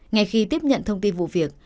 ngày khi tiếp nhận thông tin vụ việc